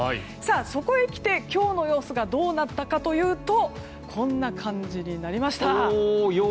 そこへ来て今日の様子がどうなったかというとこんな感じになりました。